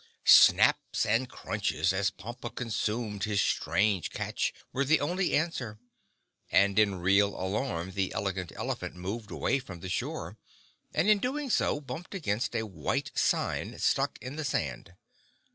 Snaps and crunches, as Pompa consumed his strange catch, were the only answer, and in real alarm the Elegant Elephant moved away from the shore, and in doing so bumped against a white sign, stuck in the sand.